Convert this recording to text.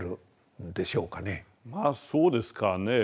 まあそうですかね。